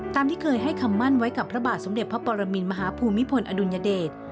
ที่เคยให้คำมั่นไว้กับพระบาทสมเด็จพระปรมินมหาภูมิพลอดุลยเดช